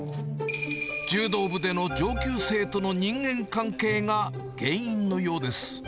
柔道部での上級生との人間関係が原因のようです。